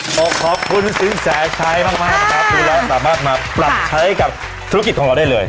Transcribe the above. ขอขอบคุณสินแสชัยมากมากนะครับดูแลสามารถมาปรับใช้กับธุรกิจของเราได้เลย